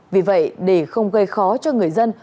vì vậy để không gây khó cho người dân